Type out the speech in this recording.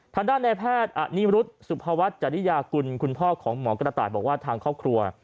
ทางด้านในแพทย์อนิรุธสุภวัฒน์จริยากุลคุณพ่อของหมอกระต่ายบอกว่าทางครอบครัว